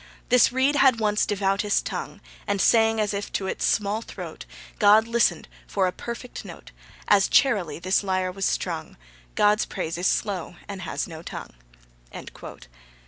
'This reed had once devoutest tongue, And sang as if to its small throat God listened for a perfect note; As charily this lyre was strung: God's praise is slow and has no tongue.'